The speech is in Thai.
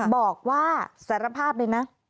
บอกว่าสารภาพเลยนะ